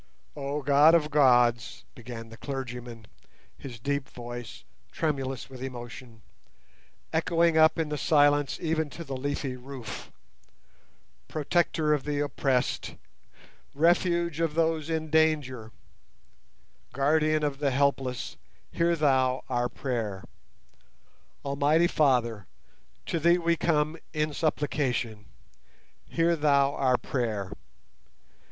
"Oh God of gods!" began the clergyman, his deep voice, tremulous with emotion, echoing up in the silence even to the leafy roof; "Protector of the oppressed, Refuge of those in danger, Guardian of the helpless, hear Thou our prayer! Almighty Father, to Thee we come in supplication. Hear Thou our prayer!